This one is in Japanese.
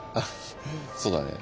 そうだね。